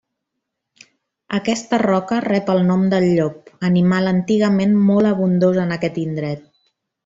Aquesta roca rep el nom del llop, animal antigament molt abundós en aquest indret.